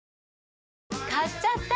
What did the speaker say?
買っちゃった！